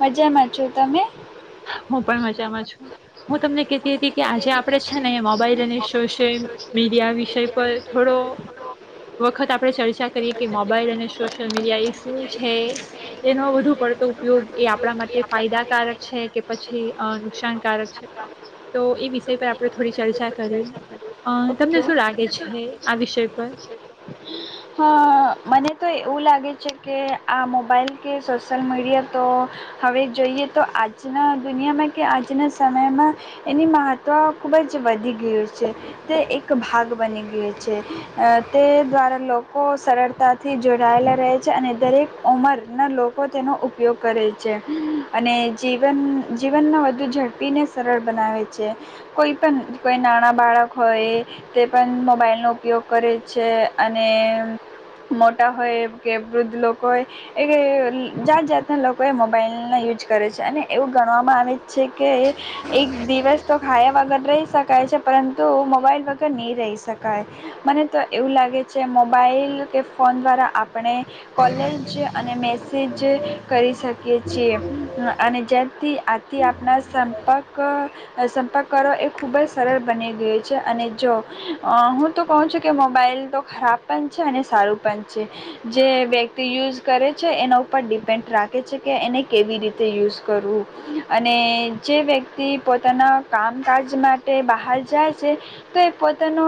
મજામાંજ. જો તમે. હું પણ મજામાં છું. હું તમને કતી હતી. કે આજે આપણે છે ને મોબાઈલ અને સોશિયલ મીડિયા વિષય પર થોડો વખત આપણે ચર્ચા કરીએ કે મોબાઈલ અને સોશિયલ મીડિયા એ શું છે એનો વધુ પડતો ઉપયોગ એ આપણા માટે ફાયદાકારક છે કે. પછી નુકસાનકારક છે. તો એ વિષય પર આપણે થોડી ચર્ચા કરીએ અ તમને શું લાગે છે આ વિષય પર. મને તો એવું લાગે છે કે આ મોબાઈલ કે સોશિલ મીડિયા તો હવે જોઈએ તો આજના દુનિયામાં કે આજના સમયમાં. એની મહત્ત્વ ખૂબ જ વધી. ગેર છે તે એક ભાગ. બની ગય છે તે દ્વારા લોકો સરળતાથી જોડાયેલા રહે છે અને દરેક ઉંમરના લોકો તેનો ઉપયોગ કરે છે અને જીવન જીવનમાં વધુ ઝડપીને સરળ. બનાવે છે કોઈ પણ કોઈ નાણાં બાળક હોય તે પણ મોબાઈલનો ઉપયોગ કરે છે અને મોટા હોય કે વૃદ્ધ લોકો હોય એ જાત જાતના લોકોએ મોબાઈલના યુઝ કરે છે અને એવું ગણવામાં આવે છે કે. એક દિવસ તો ખાયા વગર રહી શકાય છે પરંતુ મોબાઈલ વગર નહીં રહી શકાય મને તો એવું લાગે છે મોબાઈલ. કે ફોન દ્વારા આપણે કોલેજ. અને મેસેજ કરી શકીએ છીએ અને જેથી આથી આપણા સંપર્ક. સંપર્ક કરો એ ખૂબ જ સરળ બની ગય છે અને જો હું તો કહું છું કે મોબાઈલ તો ખરાબ પણ છે અને સારું પણ છે જે વ્યક્તિ યુઝ કરે છે એના ઉપર ડિપેન્ડ રાખે. છે કે એને કેવી રીતે યુઝ કરવું અને જે વ્યતિ. પોતાના કામકાજ માટે બહાર જાય છે તો એ પોતાનો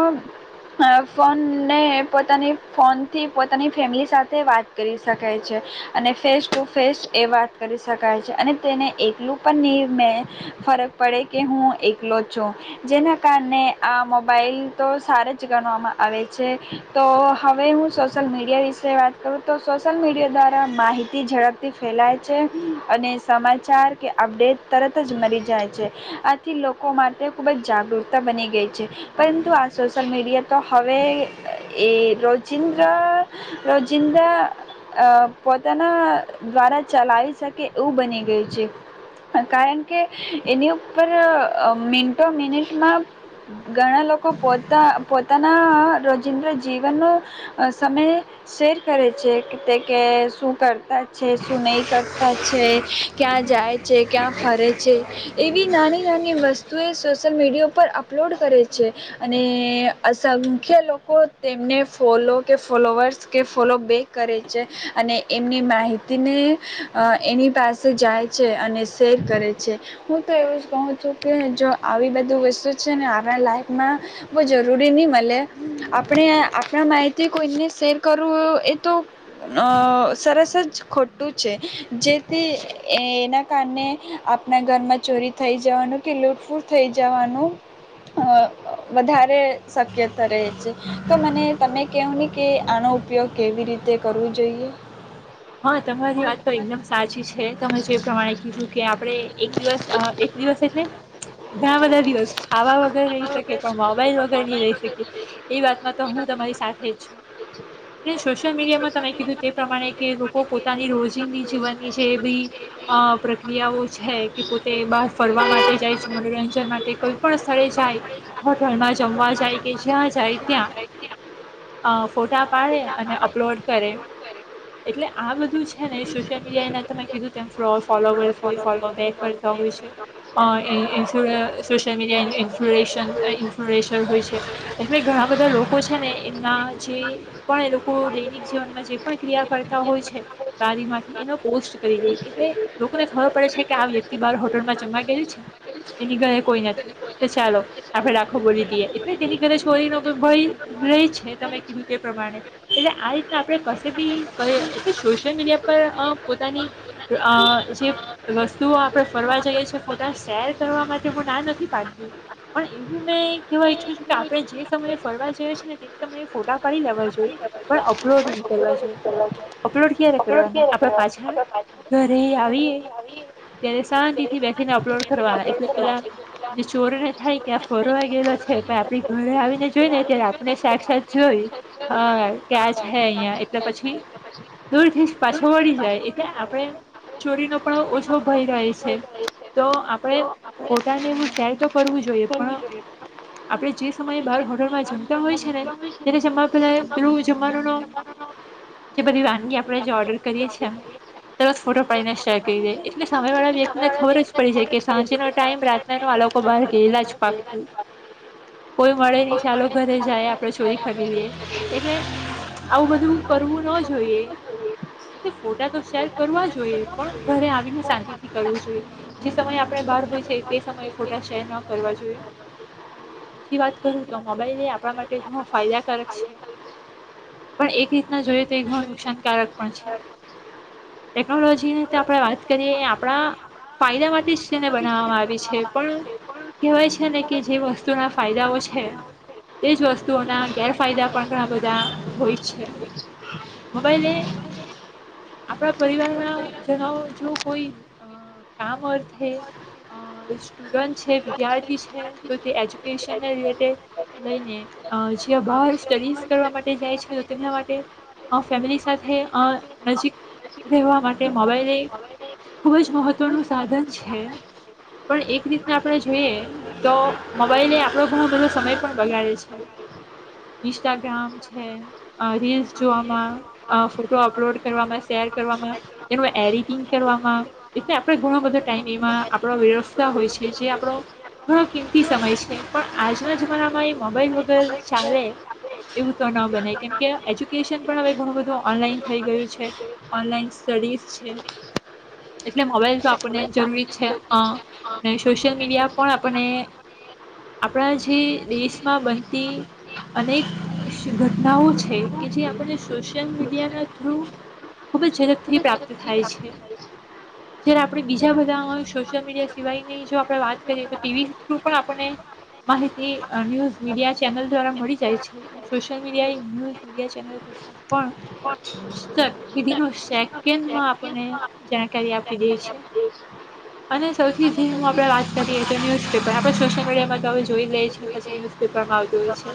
ફોનને પોતાની ફોનથી પોતાની ફેમિલી સાથે વાત કરી શકાય છે અને ફેસ ટુ ફેસ એ વાત કરી શકાય છે અને તેને એકલું પણ નિ મે. ફરક પડે કે હું એકલો છું જેના કારણે આ મોબાઈલ. તો સાર જ ગણવામાં આવે છે તો. હવે હું સોશિયલ મીડિયા વિશે વાત કરું તો સોશિયલ મીડિયા દ્વારા માહિતી ઝડપથી. ફેલાય છે અને સમાચાર કે અપડેટ તરત જ મારી. [unintelligible] આથી લોકો માટે ખૂબ જ જાગૃતતા બની ગઈ છે, પરંતુ આ સોશિયલ મીડિયા તો હવે એ રોજ્ર રોજિન્દ્ર પોતાના દ્વારા ચલાવી શકે એવું બની ગયું છે, કારણકે એની ઉપર મિટો મિનિટમાં ઘણા લોકો પોતા પોતાના રોજિંદ્રા જીવનનો સમય શેર કરે છે તે કે શું કરતા છે, શું નહીં કરતા છે, ક્યાં જાય છે, ક્યાં ફરે છે. એવી નાની નાની વસ્તુ એ સોશિયલ મીડિયા ઉપર અપલોડ કરે છે અને અસંખ્ય લોકો તેમને ફોલો કે ફોલોવર્સ કે ફોલો બેક કરે છે અને એમની માહિતીને એની પાસે જાય છે અને શેર કરે છે. હું તો એવું જ કહું છું, કે જો આવી બધી વસ્તુ છે ને આપડા લાઈફમાં બહુ જરૂરી નહીં મળે, આપડે આપડા માહિતી કોઈને શેર કરવું હોય, એતો સરસ જ ખોટું છે જેથી એના કારણે આપણા ઘરમાં. ચોરી થઈ જવાનું કે લૂટપૂટ થઈ જવાનું વધારે શક્યતા રહે છે, તો મને તમે કવોની કે આનો ઉપયોગ કેવી રીતે કરવો જોઈએ? હા, તમારી વાત તો એકદમ સાચી છે, તમે જે પ્રમાણે કીધું કે આપડે એક દિવસ. અહ એક દિવસ એટલે ઘણા બધા દિવસ ખાવા વગર રહી શકે પણ મોબાઈલ વગર નહી રહી શકે એ વાતમાં તો હું તમારી સાથે જ છું, અને સોશિયલ મીડિયામાં તમે કીધું તે પ્રમાણે કે લોકો પોતાની રોજિંદી જીવનની જે બી અહ પ્રક્રિયાઓ છે કે પોત બહાર ફરવા માટે જાય છે, મનોરંજન માટે, કોઈ પણ સ્થળે જાય હોટલમાં જમવા જાય કે જ્યાં જાય ત્યાં અહ ફોટા પાડે અને અપલોડ કરે. એટલે આ બધું છે ને સોશિયલ મીડિયા એને તમે કીધું તેમ ફો ફોલોવર્સ હોય ફોલો બેક કર તા હોય છે, એ Instagram social media information uh information હોય છે એ ઘણા બધા લોકો છે ને એમના જે પણ એ લોકો દૈનિક જીવનમાં જે પણ ક્રિયા કર તા હોય છે ને [unintelligible] એને પોસ્ટ કરી દે, એટલે લોકોને ખબર પડે છે કે આ વ્યક્તિ બ હોટલમાં જમવા ગયું છે, એની ઘરે કોઈ નથી તો ચાલો આપડે રાખો બોલી દઈએ, એટલે તેની ઘરે ચોરીનો ભય રહી છે તમે કીધું તે પ્રમાણે એટલે આ આપણે કશે બી કહે સોશિયલ મીડિયા પર અહ પોતાની અહ જે વસ્તુઓ આપણે ફરવા જઈએ છે, ફોટા શેર કરવા માટે હું ના નથી પાડતી, પણ એવું મેં કેવા ઈચ્છું છું કે આપણે જે સમયે ફરવા જઈએ છે ને તે સમયે ફોટા પાડી લેવા જોઈએ પણ અપલોડ નહીં કરવા જોઈએ. અપલોડ ક્યારે કરવાના આપડે પાછા ઘરે આવીએ ત્યારે શાંતિ થી બેસીને અપલોડ કરવાના. એટલે પેલા જે ચોરને થાય કે આ ફરવા ગયેલો છે પણ આપડી ઘરે આવીને જોઈ ને ત્યારે આપણે સાક્ક્ષાત જોઈ હા કે આ છે અહિયા એટલે પછી દૂરથી જ પાછો વળી જાય એટલે આપણે ચોરીનો પણ ઓછો ભય રહે છે. તો આપણે ફોટાને એવું શેર તો કરવું જોઈએ પણ આપણે જે સમયે બહાર હોટલમાં જમતા હોય છે ને તેને જમવા પેલા પેલું જમવાનું ન જે બધી વાનગી આપે જે ઓર્ડર કરીએ છે એમ તરત ફોટો પાડીને શેર કરી દઈએ એટલે સામે વાળા વ્યક્તિને ખબર જ પડી જ કે સાંજેનો ટાઈમ રાતના ના આ લોકો બહાર ગયેલા જ પાક્કું. કોઈ મળે નહી ચાલો ઘરે જાય આપણે ચોરી કરી લેઈ એટલે આવું બધું કરવું ન જ જોઈએ. એટલે ફોટા તો શેર કરવા જોઈએ પણ ઘરે આવીને શાંતિથી કરવું જોઈએ. જે સમયે આપણે બહાર હોય છે એ સમયે ફોટા શેર ન કરવા જોઈએ, અને બીજી વાત કરું તો મોબાઈલ એ આપણા માટે ઘણો ફાયદાકારક છે, પણ એક રીતના જોઈએ તે ઘણું નુકસાનકારક પણ છે, ટેકનોલોજીની તો આપણે વાત કરીએ આપણા એ ફાયદા માટે જ તેને બનાવવામાં આવી છે પણ કહેવાય છે ને કે જે વસ્તુઓના ફાયદાઓ છે તે જ વસ્તુઓના ગેરફાયદા પણ ઘણા બધા હોય છે. મોબાઈલે આપણા પરિવારના જનો જો કોઈ અહ કામ અર્થે, અહ સ્ટુડન્ટ છે, વિદ્યાર્થી છે તો તે એજ્યુકેશનને રિલેટેડ, લઈને જ્યાં બહાર સ્ટડીઝ કરવા માટે જાય છે તો તેમના માટે અ ફેમિલી સાથે અ નજીક રહેવા માટે મોબાઈલ એ ખુબ જ મહત્વનું સાધન છે. પણ એક રીતના આપણે જોઈએ તો મોબાઈલે આપણો બહુ બધો સમય પણ બગાડે છે ઇન્સ્ટાગ્રામ છે અ રીલસ જોવામાં અ ફોટો અપલોડ કરવામાં શેર કરવામાં એનું એડિટિંગ કરવામાં એટલે આપણે ઘણો બધો ટાઈમ એમાં આપણો વેડફતા હોય છે જે આપણો ઘણો કિંમતી સમય છે. પણ આજના જમાનામાં એ મોબાઈલ વ વગર ચાલે એવું તો નો બને કેમ કે એજ્યુ કેશન પણ હવે ઘણું બધું ઓનલાઈન થઈ ગયું છે. ઓનલાઈન સ્ટડીઝ છે. એટલે મોબાઈલ તો આપણને જરૂરી છે. અ ને સોશિયલ મીડિયા પણ આપણને આપણા જે દેશમાં બનતી અનેક ઘટનાઓ છે કે જે આપને સોશિયલ મીડિયાના થ્રુ ખૂબ જ ઝડપથી પ્રાપ્ત થાય છે. જય્યારે આપણે બીજા બધા સોશિયલ મીડિયા સિવાયની જો આપણે વાત કરીએ તો ટીવી થ્રુ પણ આપને માહિતી અ ન્યૂઝ મીડિયા ચેનલ દ્વારા મળી જાય છે પણ social media news media channel કરતા પણ ઇન્સ્ટન્ટ વિધિન અ સેકન્ડમાં આપણ ને જાણકારી આપી દે છે. અને સૌથી ધીમું આપડે વાત કરીએ તો ન્યૂઝપેપર. આપડે સોશિલ મીડિયામાં હવે તો જોઈ લે પછી ન્યુેપરમાં આવતુ હોય છે.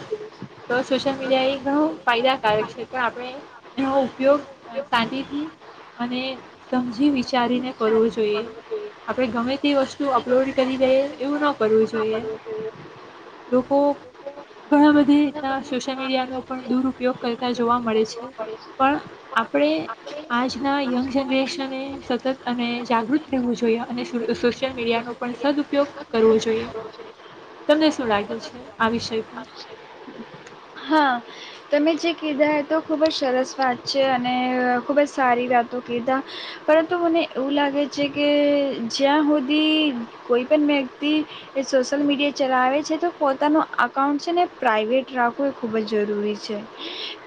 તો સોશ્યિલ મીડિયા એ ઘણું ફાયદાકારક છે. પણ આપણે એનો ઉપયોગ શાંતિથી અને સમજી વિચારીને કરવો જોઈએ આપણે ગમે તે વસ્તુ અપલોડ કરી દઈએ એવું ન કરવું જોઈએ લોકો ઘણા બધી રીતના સોશિયલ મીડિયાનો પણ દૂર ઉપયોગ કરતા જોવા મળે છે પણ આપણે આજના યંગ જનરેશને સતત અને જાગૃત રહેવું જોઈએ અને સોશિયલ મીડિયાનો પણ સદપયોગ કરવો જોઈએ તમને શું લાગે છે આ વિષય પર. હા તમે જે કીધા તો ખૂબ જ સરસ વાત છે અને ખૂબ જ સારી વાતો કીધા પરંતુ મને એવું લાગે છે કે જ્યાં હુધી કોઈ પણ વ્યક્તિ એ સોશિલ મીડિયા ચલાવે છે તો પોતાનું અકાઉન્ટ છે ને પ્રાઇવેટ રાખો વો ખૂબ જ જરૂરી છે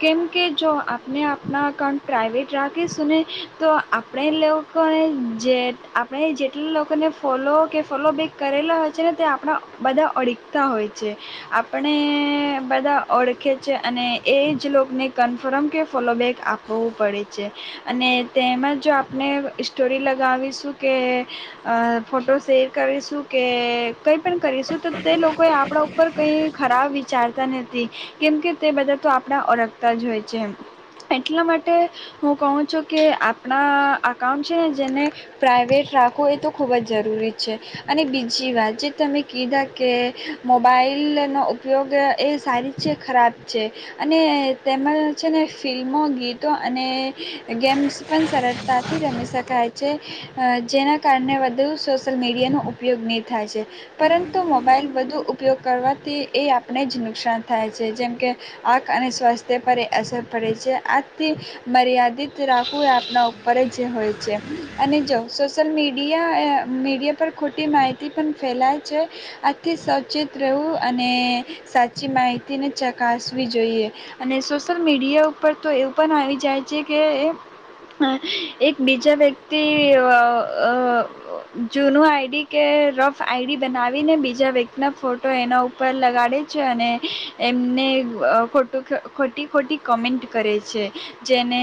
કેમ કે જો આપણે આપણા અકાઉન્ટ પ્રાઇવેટ રાખીશું ને તો આપણે લોકોને જે આપણે જેટલા લોકોને ફોલો કે ફોલો બેક કરેલા હોય છે ને તે આપણા બધા અડગતા હોય છે આપણે બધા ઓળખે છે અને એ જ લોકોને કન્ફર્મ કે ફોલોબેક આપવું પડે છે અને તેમાં જો આપણે સ્ટોરી લગાવીશું કે અ ફોટો શેર કરીશું કે કંઈ પણ કરીશું તો તે લોકોએ આપણા ઉપર કંઈ ખરાબ વિચારતા નથી. કેમ કે તે બધા તો આપણા ઓળખતા જ હોય છે એટલા માટે હું કહું છું કે આપણા અકાઉન્ટ છે ને જેને પ્રાઇવેટ રાખો એ તો ખૂબ જ જરૂરી છે અને બીજી વાત જે તમે કીધા કે મોબાઈલનો ઉપયોગ એ સારી જે ખરાબ છે અને તેમાં છે ને ફિલ્મો, ગીતો અને ગેમ્સ પણ સરળતાથી રમી શકાય છે અ જેના કારણે વધુ સોશયલ મીડિયાનો ઉપયોગ નહીં થાય છે પરંતુ મોબાઈલ વધુ ઉપયોગ કરવાથી એ આપણે જ નુકસાન થાય છે જેમ કે આંખ અને સ્વાસ્થ્ય પર એ અસર પડે છે આથી મર્યાદિત રાખવું એ આપણા ઉપર જ હોય છે અને જો સોશિલ મીડિયા-મીડિયા પર ખોટી માહિતી પણ ફેલાય છે આજથી સાવચેત રહેવું અને સાચી માહિતી વ્યતિને ચકાસવી જોઈએ અને સોશિયલ મીડિયા ઉપર તો એવું પણ આવી જાય છે કે એક બીજા વ્યક્તિ અ વ અ જૂનું આઈડી કે રફ આઈડી બનાવીને બીજા વ્યક્તિના ફોટો એના ઉપર લગાડે છે અને એમને અ ખોટું ખોટી ખોટી કોમેન્ટ કરે છે જેને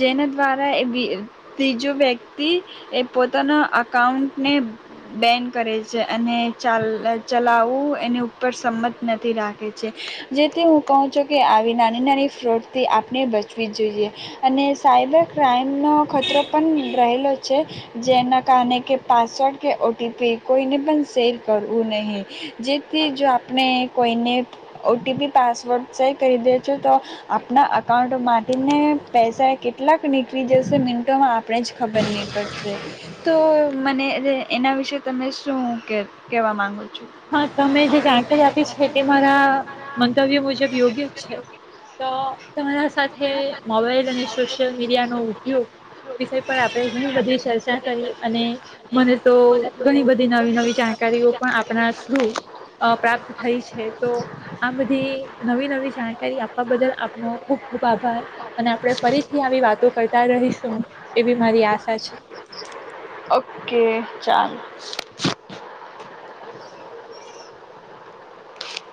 જેના દ્વારા એ બી ત્રીજો વ્યક્તિ એ પોતાના અકાઉન્ટને બેન કરે છે અને ચાલ ચલાવવું એની ઉપર સંમત નથી રાખ જેથી હું કહું છું કે આવી નાની-નાની ફ્રોડથી આપણે બચવી જ જોઈએ અને સાયબર ક્રાઈમનો ખતરો પણ રહેલો છે જેના કારણે કે પાસવર્ડ કે ઓ ટી પી કોઈને પણ સેલ કરવું નહીં જેથી જો આપણે કોઈને O O T P password share કરી દે છે તો આપના અકાઉન્ટમાંથીને પૈસા કેટલાક નીકળી જશે મિનટોમાં આપ આપણે જ ખબર નહીં પડશે તો મને એ એના વિશે તમે શું કે કેવા માંગો છો હા તમે જે જાણકારી આપી છે તેમાં રા મંતવ્યો મુજબ યોગ્ય છે તો તમારા સાથે મોબાઈલ અને સોશિયલ મીડિયાનો ઉપયોગ વિષય પણ આપણે ઘણી બધી ચર્ચા કરી અને મને તો ઘણી બધી નવી-નવી જાણકારીઓ પણ આપ થ્રુ અ પ્રાપ્ત થઈ છે તો આ બધી નવી-નવી જાણકારી આપવા બદલ આપનો ખૂબ-ખૂબ આભાર અને આપણે ફરીથી આવી વાતો કરતા રહીશું એવી મારી આશા છે. ચાર.